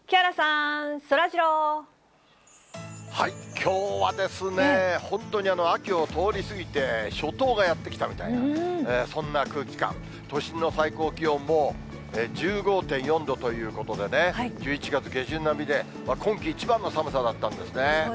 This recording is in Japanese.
きょうはですね、本当に秋を通り過ぎて初冬がやって来たみたいな、そんな空気感、都心の最高気温も１５．４度ということでね、１１月下旬並みで、今季一番の寒さだったんですね。